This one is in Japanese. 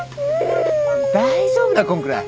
大丈夫だこんくらい。